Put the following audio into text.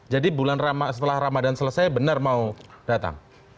jadi bulan ramadhan setelah ramadhan selesai benar mau datang